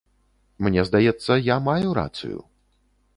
Мне здаецца, я маю рацыю.